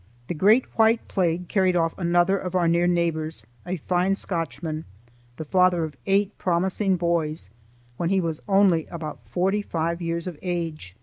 The great white plague carried off another of our near neighbors, a fine Scotchman, the father of eight promising boys, when he was only about forty five years of age.